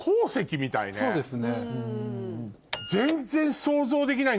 そうですね。